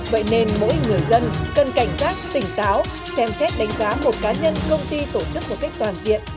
vậy nên mỗi người dân cần cảnh giác tỉnh táo xem xét đánh giá một cá nhân công ty tổ chức một cách toàn diện